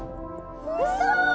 うそ！